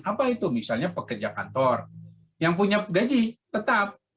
apa itu misalnya pekerja kantor yang punya gaji tetap